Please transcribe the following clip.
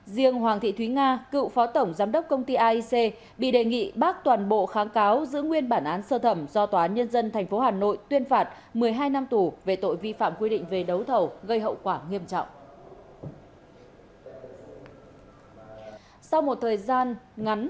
riêng hoàng thị thúy nga cựu phó tổng giám đốc công ty aic bị đề nghị bác toàn bộ kháng cáo giữ nguyên bản án sơ thẩm do tòa án nhân dân tp hà nội tuyên phạt một mươi hai năm tù về tội vi phạm quy định về đấu thầu gây hậu quả nghiêm trọng